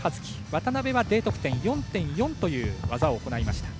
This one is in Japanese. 渡部はＤ得点４．４という技を行いました。